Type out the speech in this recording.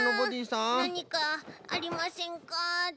なにかありませんか？と。